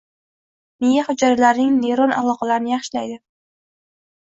miya hujayralarining neyron aloqalarini yaxshilaydi.